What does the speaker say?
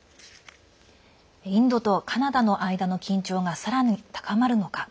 インドとカナダの間の緊張がさらに高まるのか。